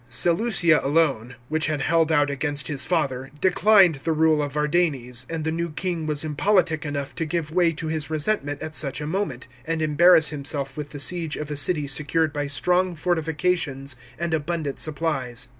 Seleucia alone, which had; held out against his father, declined the rule of Vardanes, and the new king was impolitic enough to give way to his resentment at such a moment, and embarrass himself with the siege of a city secured by strong fortifications and abundant supplies.